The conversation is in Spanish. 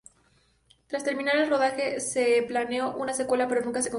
Tras terminar el rodaje, se planeó una secuela, pero nunca se concretó.